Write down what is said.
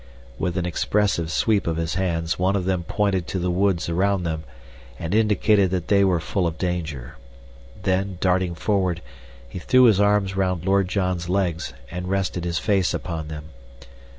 With an expressive sweep of his hands one of them pointed to the woods around them, and indicated that they were full of danger. Then, darting forward, he threw his arms round Lord John's legs, and rested his face upon them.